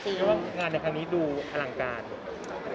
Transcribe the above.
เพราะว่างานในครั้งนี้ดูอลังการ